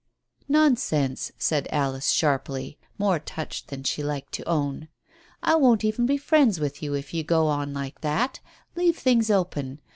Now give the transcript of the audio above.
"Nonsense," said Alice sharply, more touched than she liked to own; "I won't even be friends with you if you go on like that. Leave things open.